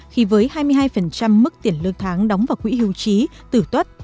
khi với hai mươi hai mức tiền lương tháng đóng vào quỹ hưu trí tử tuất